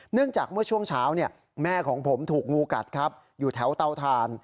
จากเมื่อช่วงเช้าแม่ของผมถูกงูกัดครับอยู่แถวเตาถ่าน